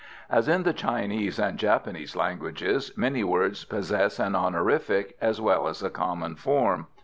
As in the Chinese and Japanese languages many words possess an honorific as well as a common form.